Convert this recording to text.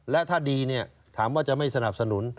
และถ้าดีถามว่าจะไม่สนับสนุน